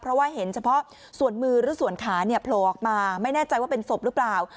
เพราะว่าเห็นเฉพาะส่วนมือหรือส่วนขาเนี่ยโผล่ออกมาไม่แน่ใจว่าเป็นศพหรือเปล่า